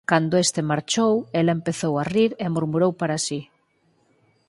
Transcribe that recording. Cando este marchou, ela empezou a rir e murmurou para si: